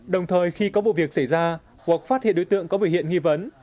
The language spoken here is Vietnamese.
đồng thời khi có vụ việc xảy ra hoặc phát hiện đối tượng có biểu hiện nghi vấn